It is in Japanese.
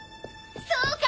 そうか！